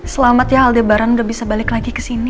selamat ya aldebaran udah bisa balik lagi kesini